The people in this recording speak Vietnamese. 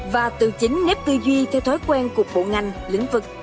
và từ chính nếp tư duy theo thói quen của bộ ngành lĩnh vực